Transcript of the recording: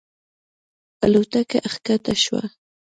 الوتکه ښکته شوه.